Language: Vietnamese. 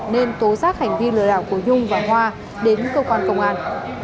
nên tố giác hành vi lừa đảo của nhung và hoa đến cơ quan công an